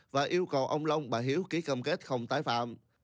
và yêu cầu ông long bà hiếu ký cam kết không tái phạm